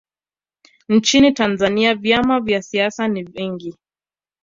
nchini tanzania vyama vya siasa ni vingi